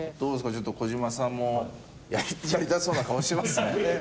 ちょっと児嶋さんもやりたそうな顔してますね。